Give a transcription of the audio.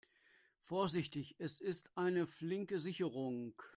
Vorsichtig, es ist eine flinke Sicherung.